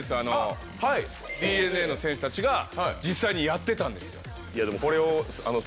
ＤｅＮＡの選手たちが実際にやってたんですよ。